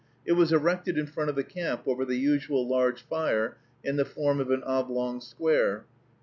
It was erected in front of the camp over the usual large fire, in the form of an oblong square.